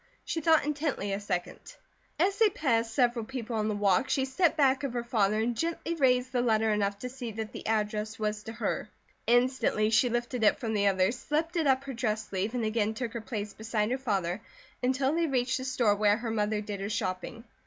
She thought intently a second. As they passed several people on the walk she stepped back of her father and gently raised the letter enough to see that the address was to her. Instantly she lifted it from the others, slipped it up her dress sleeve, and again took her place beside her father until they reached the store where her mother did her shopping.